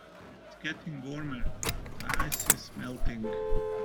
It's getting warmer; the ice is melting.